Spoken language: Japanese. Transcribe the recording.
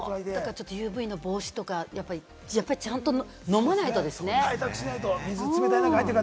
ＵＶの防止とか、ちゃんと飲まないとですね。